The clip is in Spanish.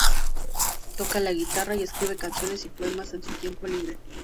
Toca la guitarra y escribe canciones y poemas en su tiempo libre.